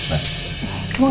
mereka sudah semua tersinggung